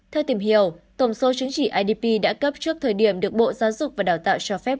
theo tìm hiểu tổng số chứng chỉ idp đã cấp trước thời điểm được bộ giáo dục và đào tạo cho phép